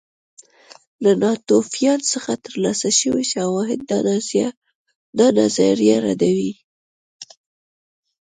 له ناتوفیان څخه ترلاسه شوي شواهد دا نظریه ردوي